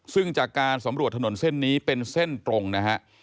ซึ่งจากการสำรวจถนนเส้นนี้เป็นเส้นตรงนะฮะ